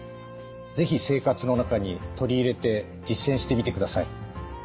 是非生活の中に取り入れて実践してみてください。